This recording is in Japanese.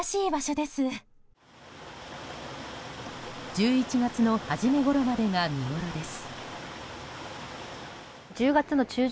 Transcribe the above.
１１月の初めごろまでが見ごろです。